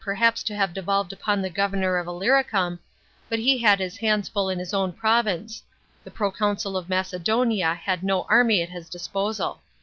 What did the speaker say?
VL perhaps to have devolved upon the governor of Illyricum, but he had his hands full in his own province ; the proconsul of Macedonia had no army at his disposal.